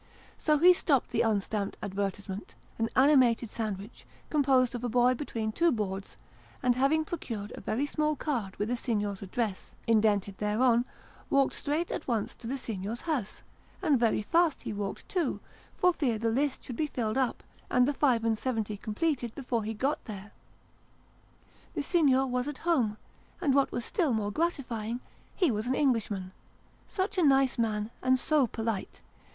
So, he stopped the unstamped advertisement an animated sandwich, com posed of a boy between two boards and having procured a very small card with the Signer's address indented thereon, walked straight at once to the Signor's house and very fast he walked too, for fear the list should be filled up, and the five and seventy completed, before he got there. The Signor was at home, and, what was still more gratify ing, he was an Englishman ! Such a nice man and so polite